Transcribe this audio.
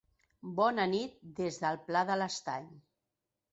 Bona nit des del Pla de l'Estany.